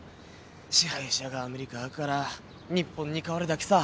支配者がアメリカからニッポンに変わるだけさ。